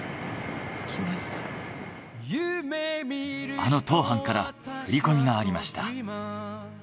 あのトーハンから振り込みがありました。